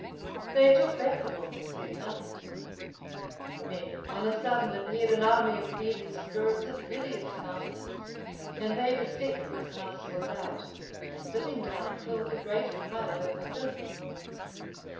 They took back the book and said nothing to me. Then, on a sudden, appeared an army of evil spirits of hideous countenance, and they beset this house without, and sitting down filled the greater part of it within.